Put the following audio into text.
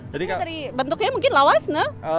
jadi bentuknya mungkin lawas no